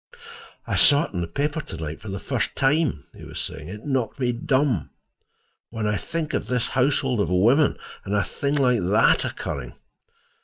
"I saw it in the paper to night for the first time," he was saying. "It knocked me dumb. When I think of this houseful of women, and a thing like that occurring!"